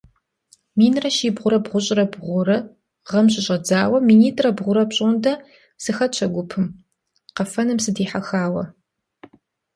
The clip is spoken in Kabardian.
Минрэ щибгъурэ бгъущӀрэ бгъурэ гъэм щыщӀэдзауэ минитӀрэ бгъурэ пщӀондэ сыхэтащ а гупым, къэфэным сыдихьэхауэ.